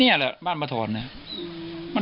นี่แหละบ้านประถ่อนเนี่ย